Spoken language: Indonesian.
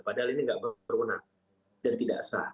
padahal ini tidak berwenang dan tidak sah